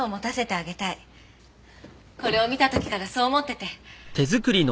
これを見た時からそう思ってて。